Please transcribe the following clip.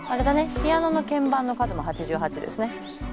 ピアノの鍵盤の数も八十八ですね。